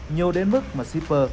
nhiều đến mức mà shipper